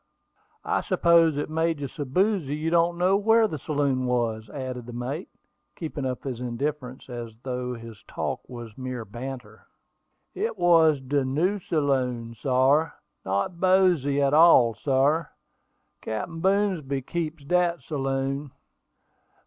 "I suppose it made you so boozy you don't know where the saloon was," added the mate, keeping up his indifference, as though his talk was mere banter. "It was de new saloon, sar; not boozy at all, sar; Captain Boomsby keeps dat saloon.